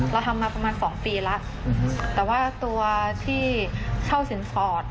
เราทำมาประมาณสองปีแล้วแต่ว่าตัวที่เข้าสินสอด